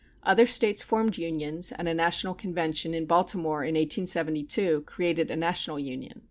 Other States formed unions and a national convention in Baltimore in 1872 created a National Union.